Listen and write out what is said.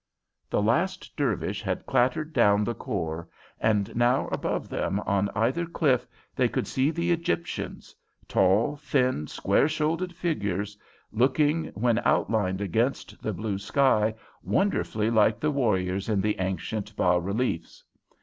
The last Dervish had clattered down the khor, and now above them on either cliff they could see the Egyptians tall, thin, square shouldered figures, looking, when outlined against the blue sky, wonderfully like the warriors in the ancient bas reliefs.